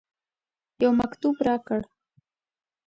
یو مکتوب راکړ.